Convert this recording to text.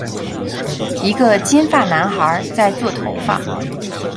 一个金发男孩在做头发。